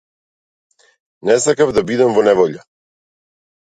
Не сакав да бидам во неволја.